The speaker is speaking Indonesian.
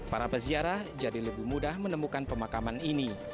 para peziarah jadi lebih mudah menemukan pemakaman ini